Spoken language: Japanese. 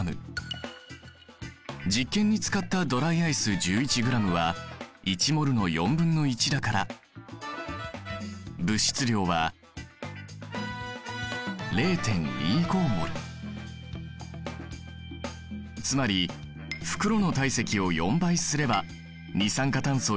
実験に使ったドライアイス１１ｇは１ｍｏｌの４分の１だから物質量はつまり袋の体積を４倍すれば二酸化炭素